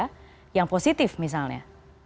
salah satu saja yang positif misalnya